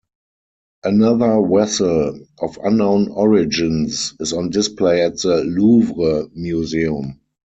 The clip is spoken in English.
Another vessel, of unknown origins, is on display at the Louvre Museum.